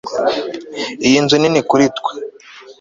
Iyi nzu nini kuri twe